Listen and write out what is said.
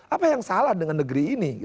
apa yang salah dengan negeri ini